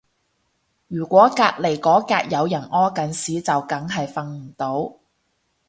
如果隔離嗰格有人屙緊屎就梗係瞓唔到